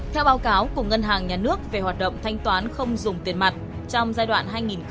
theo báo cáo của ngân hàng nhà nước về hoạt động thanh toán không dùng tiền mặt trong giai đoạn hai nghìn một mươi sáu hai nghìn một mươi tám